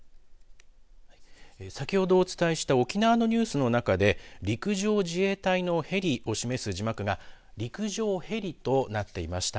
先ほどお伝えした沖縄のニュースの中で陸上自衛隊のヘリを示す字幕が陸上ヘリとなっていました。